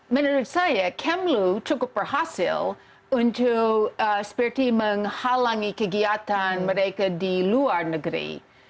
menurut saya kemlu cukup berhasil untuk seperti menghalangi kegiatan mereka di luar negeri